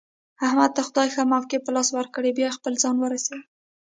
احمد ته خدای ښه موقع په لاس ورکړې ده، باید خپل ځان ورسوي.